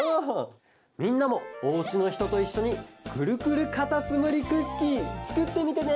みんなもおうちのひとといっしょにくるくるカタツムリクッキーつくってみてね！